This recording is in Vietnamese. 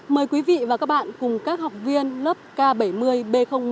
mời quý vị và các bạn cùng các học viên lớp k bảy mươi b một